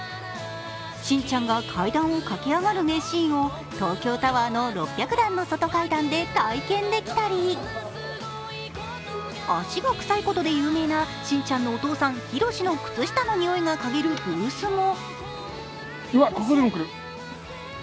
しんちゃんが階段を駆け上がる名シーンを東京タワーの６００段の外階段で体験できたり足が臭いことで有名なしんちゃんのお父さんひろしの靴下の臭いがかげるブースも。